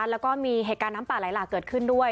แล้วก็มีเหตุการณ์น้ำป่าไหลหลากเกิดขึ้นด้วย